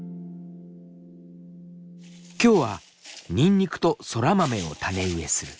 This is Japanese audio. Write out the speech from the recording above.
今日はにんにくとそら豆を種植えする。